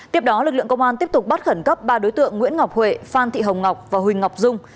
tiếp đó lực lượng công an tiếp tục bắt khẩn cấp ba đối tượng nguyễn ngọc huệ phan thị hồng ngọc và huỳnh ngọc dung